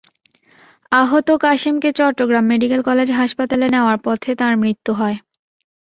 আহত কাশেমকে Chittagong medical college হাসপাতালে নেওয়ার পথে তাঁর মৃত্যু হয়।